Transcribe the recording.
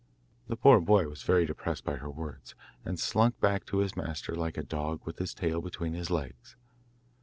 The poor boy was very depressed by her words, and slunk back to his master like a dog with his tail between his legs.